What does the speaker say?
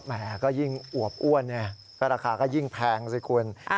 แห่ก็ยิ่งอวบอ้วนไงก็ราคาก็ยิ่งแพงสิคุณ